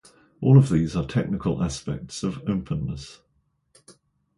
All these are technical aspects of openness.